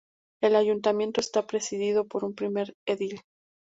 El ayuntamiento está presidido por un primer edil.